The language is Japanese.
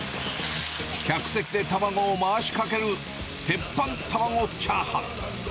客席で卵を回しかける、鉄板タマゴチャーハン。